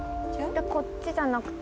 こっちじゃなくて。